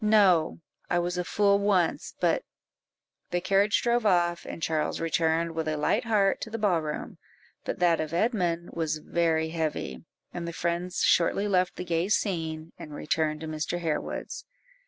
"No; I was a fool once, but " The carriage drove off, and Charles returned with a light heart to the ball room; but that of Edmund was very heavy, and the friends shortly left the gay scene, and returned to Mr. Harewood's.